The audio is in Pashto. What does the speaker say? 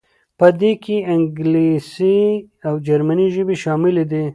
په دې کې انګلیسي او جرمني ژبې شاملې دي.